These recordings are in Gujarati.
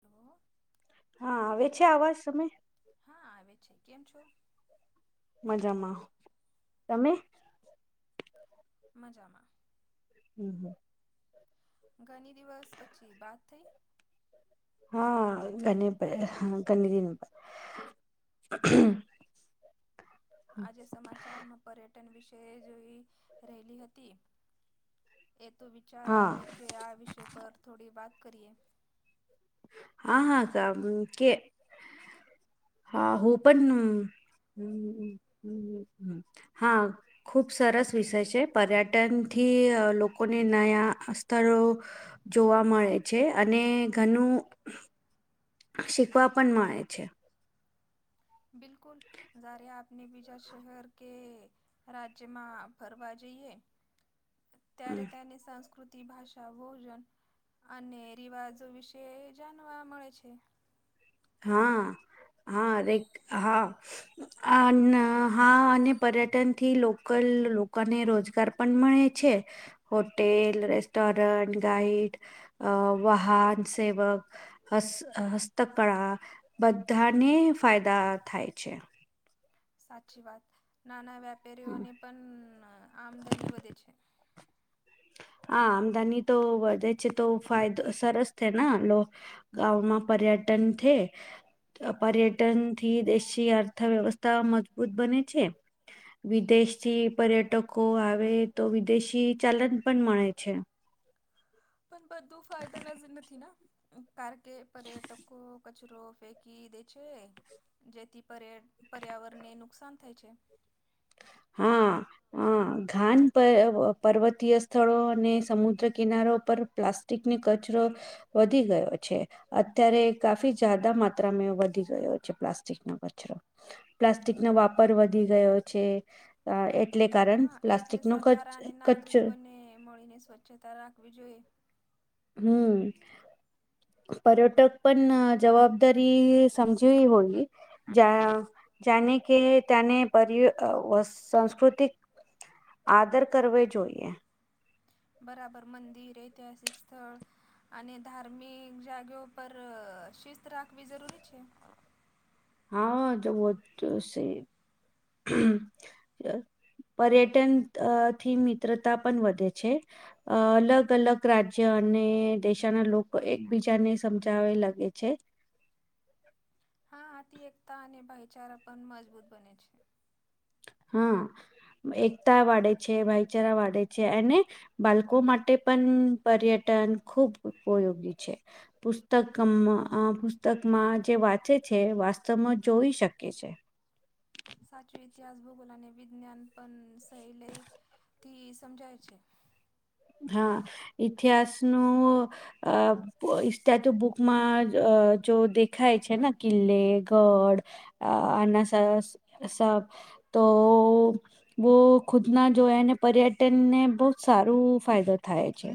હલો. હા આવે છે આવાજ તમને? હા આવે છે કેમ છો? મજામાં તમે? મજામાં. હમ હમ. ઘણી દિવસ પછી બાદ થઈ હા ઘણી દિવસ પછી આજે સમાચારમાં પર્યટન વિશે જોઈ રહેલી હતી. એ તો વિચાર આવે કે આ વિષય પર થોડી વાત કરીએ. હા હા ક કે હા હું પણ હમ હમ હ હા ખૂબ સરસ વિષય છે પર્યટનથી લોકોને નયા સ્થળો જોવા મળે છે અને ઘણું શીખવા પણ મળે છે. બિકુલ ઝારેિયા આપને બીજા શહેર કે રાજ્યમાં ફરવા જઈએ ત્યારે તેની સંસ્કૃતિ ભાષા, ભોજન અને રિવાજો વિશે જાણવા મળે છે. હા હા રક હા હા અને પર્યટનથી લોકલ લોકોને રોજગાર પણ મળે છે હોટેલ, રેસ્ટોરન્ટ, ગાઈડ અ વાહન, સેવક હસ્ હસ્તક ઘણા બધાને ફાયદા થાય છે. સાચી વાત નાના વ્યાપારીઓની પણ આમદની વધે છે. હા આમદાની તો વધે છે તો ફાયદો સરસ છે ને ગામમાં પર્યટન છે. પર્યટનથી દેશી અર્થવ્યવસ્થા મજબૂત બને છે. વિદેશી પર્યટકો આવે તો વિદેશી ચાલન પણ મળે છે. પણ બધું ફાયદા નજીર નથી ને કારણ કે પર્યટકો કચરો ફેંકી દે છે જેથી પર પર્યાવરણ ને નુકસાન થાય છે. હા. ઘાન પ પર્વતીય સ્થળો અને સમુદ્ર કિનારો પર પ્લાસ્ટિકની કચરો વધી ગયો છે. અત્યારે કાફી જદા માત્રામાં વધી ગયો છે પ્લાસ્ટિકનો કચરો પ્લાસ્ટિક નો વાપર વધી ગયો છે. એટલે ક હા એટલે સરકાર અને નાગરિક બંને મળીને સ્વચ્છતા રાખવી જોઈએ. હમ. પર્યટક પણ જવાબદારી સમજવી હોય. જાણે કે તને પર સાંસ્કૃતિક આદર કરવો જોઈએ. બરાબર મંદિર ઐતિહાસિક સ્થળ અને ધાર્મિક જાગ્યા પર શિસ્ત રાખવી જરૂરી છે. હા તો પર્યટનથી મિત્રતા પણ વધે છે. અ અલગ અલગ રાજ્ય અને દેશાના લોકો એકબીજાને સમજાવે લાગે છે. હા આથી એકતા અને ભાઈચારા પણ મજબૂત બને છે. હા એકતા વધે છે ભાઈચારા વધે છે અને બાળકો માટે પણ પર્યટન ખુબ ઉપયોગી છે. પુસ્તક પુસ્તકમાં જે વાંચે છે વાસ્તવમાં જોઈ શકે છે. સાચું ઇતિહાસ ભૂગોલ અને વિજ્ઞાન પણ સહેલઈથી સમજાય છે હા ઇતિહાસનું આ સ્ટેચુ બુકમાં જો દેખાય છે ને કિલ્લે ગઢ અ અના સ તો બહ ખુદના જોયાને પર્યટનને બહુજ સારું ફાયદો થાય છે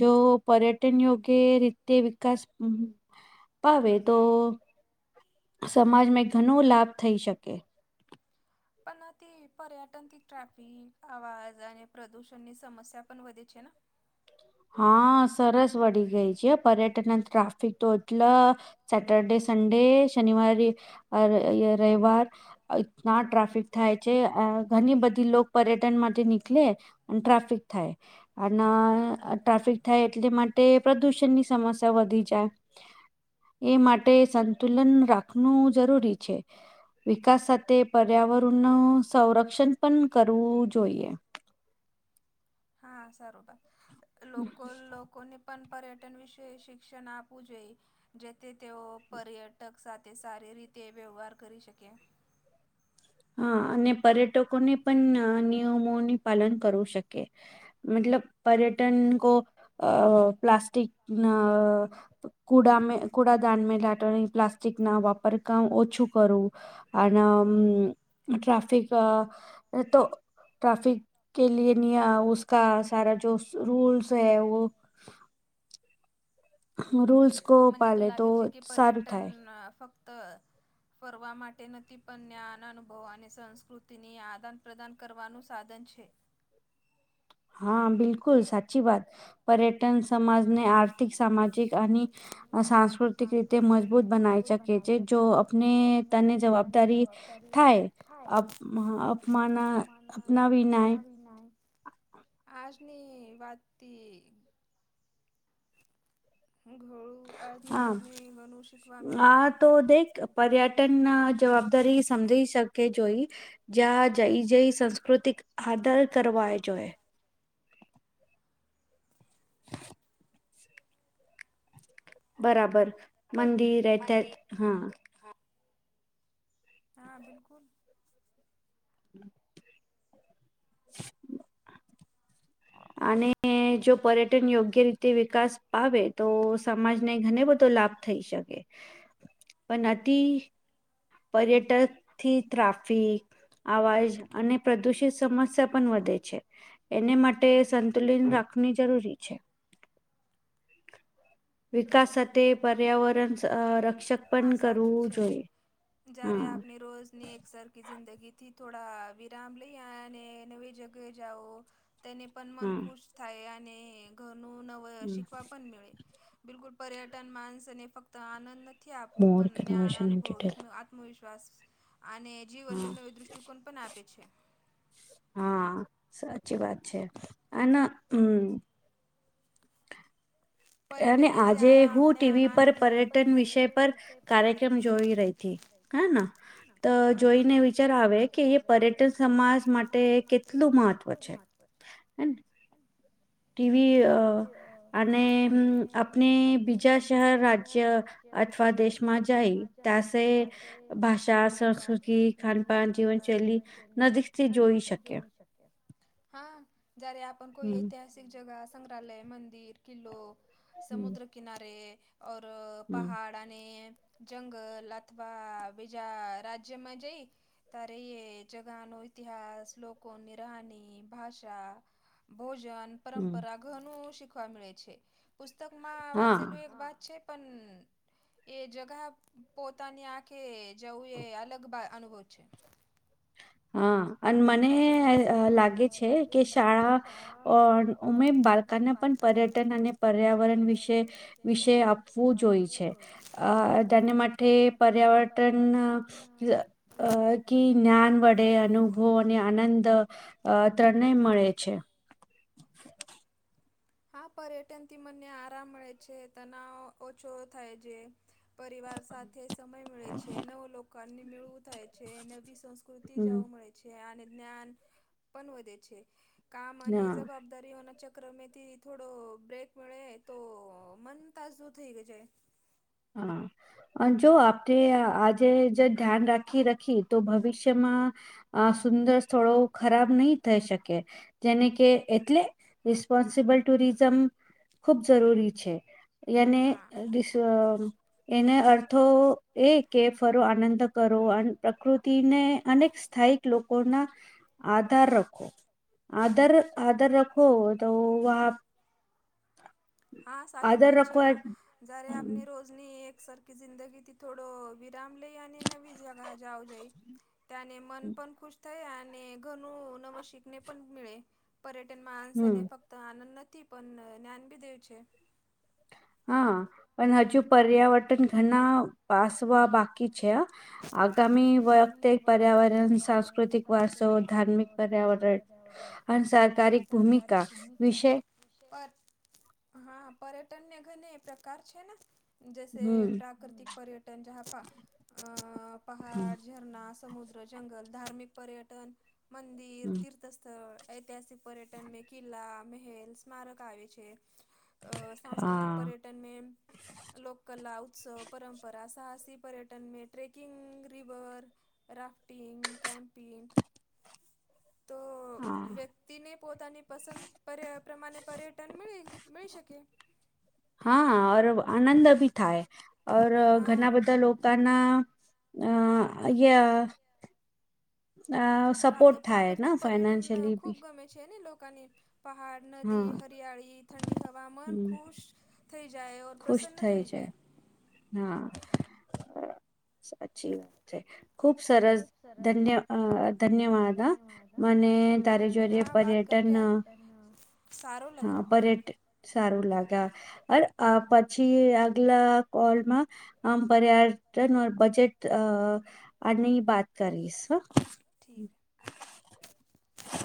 જો પર્યટન યોગ્ય રીત તે વિકાસ પાવે તો સમાજમાં ઘણો લાભ થઈ શકે. પણ તે પર્યટન થી ટ્રાફિક આવાજ અને પ્રદૂષણની સમસ્યા પણ વધે છેને. હા સરસ વળી ગઈ છે પર્યટન અને ટ્રાફિક તો એટલા સેટરડે સંડે શનિવાર રવિવાર તના ટ્રાફિક થાય છે ઘણી બધી લોક પર્યટન માટે નીકળે અને ટ્રાફિક થાય અને ટ્રાફિક થાય એટલે માટે પ્રદુષણની સમસ્યા વધી જાય. એ માટે સંતુલન રાખવું જરૂરી છે. વિકાસ સાથે પર્યાવરણ ન સંરક્ષણ પણ કરવું જોઈએ. હા સારું વાત લોકો લોકોને પણ પર્યટન વિશે શિક્ષણ આપું જોઈ. જેથી તેઓ પર્યટક સાથે સારી રીતે વ્યવહાર કરી શકે હા અને પર્યટકોને પણ નિયમોની પાલન કરવું શકે. મતલબ પર્યટન કો અ પ્લાસ્ટસ્ટિક અ કુડા મે કુડાદાન મે લાટ પ્લાસ્ટિક ના વાપર ક ઓછું કરું. અને ટ્રાફિક તો ટ્રાફિક કે લય ન ઉકા સારા જો રૂલ્સ હૈ વ. રૂલ્સ. મને તોું લાગે છે કે પર્યટન ફક્ત ફરવા માટે નથી પણ જ્ઞાન અનુભવો અને સંસ્કૃતિની આદાન પ્ર્રદાન કરવાનું સાધન છે. હા બિલકુલ સાચી વાત પર્યટન સમાજને આર્થિક સામાજિક અને સાંસ્કૃતિક રીતે તે મજબૂત બનાવી શકે છે જો આપને તને જવાબદારી થાય. અ અપમાના અપના વિના આજની વાતી ઘળું આજ્ની વાતની ઘળું શીખવા મળ્યું. તો દેખ પર્યટનના જવાબદારી સમજી શકે જોઈ. જ્યાં જઈ જઈ સંસ્કૃતિક આદર કરવાય જોએ. બરાબર મંદિર રહેત હા. હા બિલકુલ. [inaudible] [inaudible] અને અને જો પર્યટન યોગ્ય રીતે વિકાસ પાવે તો સમાજને ઘને બધો લાભ થઈ શકે પણ અતિ પર્યટક થી ટ્રાફિક અવાજ અને પ્રદુષિત સમસ્યા પણ વધે છે એને માટે માટે સંતુલન રાખની જરૂરી છે. વિકાસ તે પર્યાવરણ સ રક્ષક હા સાચું છે જ્યારે આપને રોજ ને એકસર કી જિંદગીથી થોડા વિરામ લઈ આવ અને નવી જગ્યાએ જાઓ તેને પણ મન ખુશ થાય અને ઘરનું નવ શીખવા પણ મળળે. બિલકુલ પર્યટન માણસને ફક્ત આનંદ નથી આપવું પણ જ્ઞાન અનુભવ આમવિશ્વાસ અને જીવન નું નવી દ્રષ્ટિકોણ પણ આપે છે. હા સાચી વાત છે અને હમ. અને આજે હું ટીવી પર પર્યટન વિષય પર કાર્યક્રમ જોઈ રહી હતી હે તો જોઈને વિચાર આવે કે એ પર્યટન સમાજ માટે કેટલું મહત્વ દ મહત્ત્વ છે હમ હમ એવી અને આપણે બીજા શહેર રાજ અથવા દેશમાં જાય તસે ભાષા સંસ્કૃ સુધી ખાનપાન જીવનશૈલી નદીકથી જોઈ શકે હા જ્યારે આપણ કોઈ ઐતિહાસિક જગ સંગ્રહાલય મંદિર કિલ્લો સમુદ્ર કિનારે ઔર પહાડ ને જંગલ અથવા બીજા રાજ્યમાં જઈ ત્યારે એ જગાનો ઇતિહાસ લોકો રહની ભાષા ભોજન પરાઘનું શીખવા મળે છે પુસ્તકમાં વાંચેલું એક વાત છે પણ એ જગા પોતાની આંખે જોવું એ અલગ અનુભવ છે. હા અને મને લાગે છે કે શાળા અમે બાળ સરકારને પણ પર્યટન અને પર્યાવરણ વિશે વિષય આપવું જોઈ છે. અ ને માટે પર્યાવટન આ ક [unintelligible] ડે અનુભવ અને આનંદ બંને મળે છે. હા પર્યટન થી મને આરામ મળે છે તનાવ ઓછો થાય છે. પરિવાર સાથે સમય મેે છે નવ લોકોની મેળવું થાય છે. છે નવી સંસ્કૃતિ જોવા મળે છે અને જ્ઞાન પણ વધે છે. કમા અને જવાબદારી હોના ચક્રમ થી થોડો બ્રેક મળે તો મન તાજું થઈ જાય. હા જો આપણે આજે જે ધ્યાન રાખી રાખીએ તો ભવિષ્યમાં આ સુંદર થોડો ખરાબ નહી થઈ શકે. જેને કે એટલે રિસ્પોન્સિબલ ટુરિઝમ ખુબ જરૂરી છે. એનેસ એને અર્થો એક [unintelligible] કે ફરો આનંદ કરો અને પ્રકૃતિને અનેક સ્થાયિક લોકોના આધાર રખો આધર આધાર રખો તો હા સાચું વાત છે જ્યારે આપને રોજ ની એક સરખી જિંદગી થી થોડો વિરામ લઈ અને નવી જગા જાવ જોઈ ત્યાંને મન પણ ખુશ થયા અને ઘનું નવુ શીખને પણ મળે. પર્યટન માણસાને ફક્ત આનંદ નથી પણ જ્ઞાન બી દે છે હા પણ હજુ પર્યાવર્તન ઘણા પાસવા બાકી છે આ આગામી વખતે પર્યાવરણ સાંસ્કૃતિક વારસો ધાર્મિક પર્યાવરણ અ સરરકારિક ભૂમિકા વિષય [unintelligible] પર હા પર્યટન ને ઘને એ પ્રકાર છે ને જૈસે પ્રાકૃતિક પર્યટન જા પા અ પહાડ ઝરણા સમુદ્ર જંગલ ધાર્મિક પર્યટન મંદિર તીર્થસ્થ ઐતિહાસિક પર્યટન મે કિલ્લા મહેલ સ્મારક આવેે છે અ સાંસ્કૃતિક પર્યટન મે લોક કલા ઉત્સવ પરંપરા સાહસિક પર્યટન ટન મે ટ્રેકિંગ રીવર રાફ્ટિંગ કેમપિંગ તો વ્યક્તિને પોતાની પસંદ પર પ્રમાણે પર્યટન મેળ મેળી શકે હા ઓર આનંદ બી થાય ઓર ઘણા બધા લોકો અ [inaudible] પ્રા પ્રાકૃતિક પર્યટન ખૂબ ગમે છે ને લોકાને પહાડ નદી હરિયાળી ઠંડી હવા મન ખુશ થઈ જાય ઓર પ્રસન્ન થઈ જાય. હા સાચી વાત છે ખુબ સરસ ધન્ય ધન્યવાદ મને તારે જોડે પર્યટન હા પર્યટ સારું લાગે અ આ પછી આગલા કોલમાં આમ પર્યાટન બજેટ અ આ નહી બાત કરીશ ઠીક